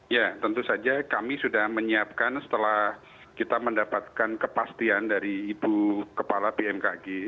ya tentu saja kami sudah menyiapkan setelah kita mendapatkan kepastian dari ibu kepala bmkg